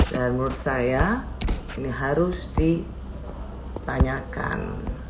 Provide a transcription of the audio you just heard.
dan menurut saya ini harus ditanyakan